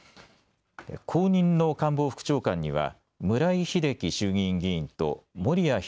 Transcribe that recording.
後任の官房副長官には村井英樹衆議院議員と森屋宏